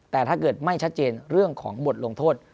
แต่ถ้าเกิดไม่ชัดเจนเรื่องของบทลงโทษ